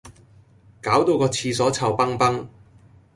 攪到個廁所臭崩崩